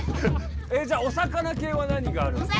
じゃお魚けいは何があるんですか？